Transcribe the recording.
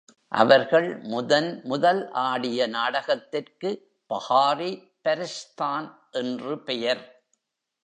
அவர்கள் முதன் முதல் ஆடிய நாடகத்திற்கு பஹாரி பரிஸ்தான் என்று பெயர்.